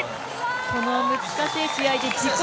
この難しい試合で自己